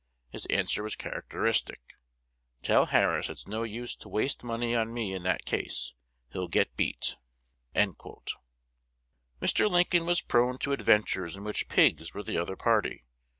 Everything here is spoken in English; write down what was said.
His answer was characteristic: 'Tell Harris it's no use to waste money on me in that case: he'll get beat.'" Mr. Lincoln was prone to adventures in which pigs were the other party.